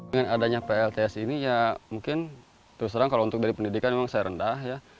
dengan adanya plts ini ya mungkin terus terang kalau untuk dari pendidikan memang saya rendah ya